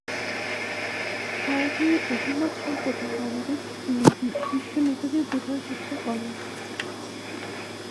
তাঁরা তাঁদের অভিমত সম্পর্কে কংগ্রেস ও লীগ শীর্ষ নেতাদের বোঝানোর চেষ্টা করেন।